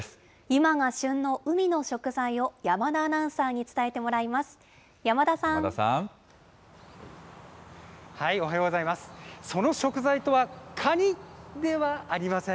今が旬の海の食材を山田アナウンサーに伝えてもらいます。